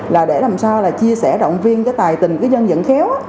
là để làm sao là chia sẻ động viên cái tài tình cái dân dẫn khéo